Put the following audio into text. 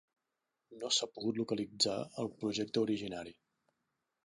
No s'ha pogut localitzar el projecte originari.